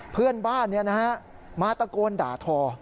เพื่อนบ้านนี้นะฮะมาตะโกนด่าทอ